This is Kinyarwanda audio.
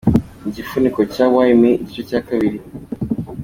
Igifuniko cya 'Why me?' igice cya kabiri.